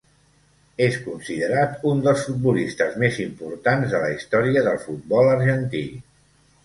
És considerat un dels futbolistes més important de la història del futbol argentí.